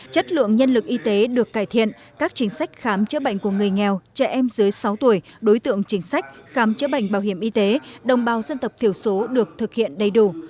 chất lượng nhân lực y tế được cải thiện các chính sách khám chữa bệnh của người nghèo trẻ em dưới sáu tuổi đối tượng chính sách khám chữa bệnh bảo hiểm y tế đồng bào dân tộc thiểu số được thực hiện đầy đủ